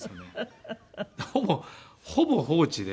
ほぼほぼ放置で。